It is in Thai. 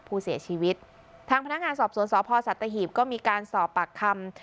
ผู้เสียชีวิตทางพนักงานสอบสวนสพสัตหีบก็มีการสอบปากคำ